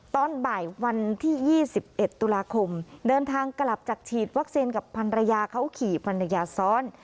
ตอนบ่ายวันที่๒๑ตุลาคมเดินทางกลับจากฉีดวัคซีนกับพันรยาเขาขี่ภรรยาซ้อน